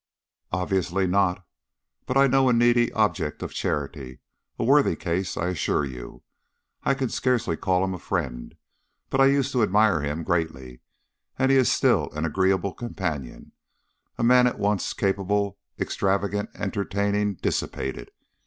"Obviously not. But I know a needy object of charity; a worthy case, I assure you. I can scarcely call him a friend, but I used to admire him greatly, and he is still an agreeable companion a man at once capable, extravagant, entertaining, dissipated.